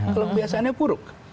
kalau kebiasaannya buruk